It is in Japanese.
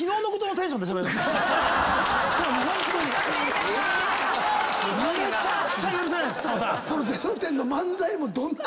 めちゃくちゃ許せない。